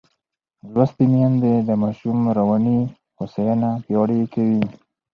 لوستې میندې د ماشوم رواني هوساینه پیاوړې کوي.